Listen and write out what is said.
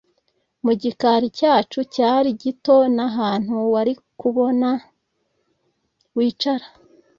mu gikari cyacu, cyari gito, nahantu warikubona wicara